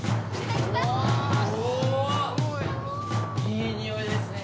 いいにおいですね。